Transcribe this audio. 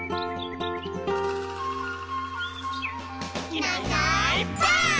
「いないいないばあっ！」